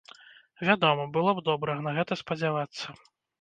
Вядома, было б добра на гэта спадзявацца.